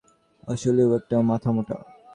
নিজেকে ভারি চালাক ভাবে কিন্তু আসলে ও একটা মাথামোটা।